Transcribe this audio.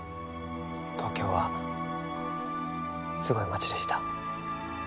東京はすごい街でした。